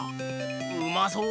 うまそう！